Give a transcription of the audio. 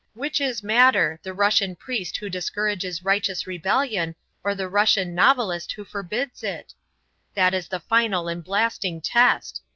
Which is madder, the Russian priest who discourages righteous rebellion, or the Russian novelist who forbids it? That is the final and blasting test.